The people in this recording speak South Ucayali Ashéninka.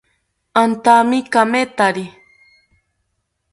Antami kamethari